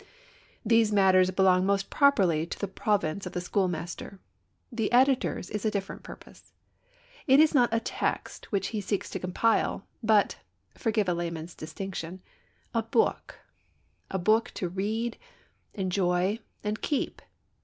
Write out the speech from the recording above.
These matters belong most properly to the province of the schoolmaster. The editor's is a different purpose. It is not a text which he seeks to compile, but (forgive a layman's distinction) a book, a book to read, enjoy, and keep.